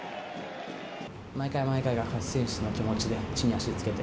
毎回毎回が初選出の気持ちで、地に足着けて。